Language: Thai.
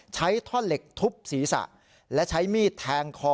ใช้ท่อนเหล็กทุบศีรษะและใช้มีดแทงคอ